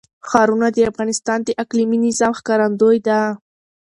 ښارونه د افغانستان د اقلیمي نظام ښکارندوی ده.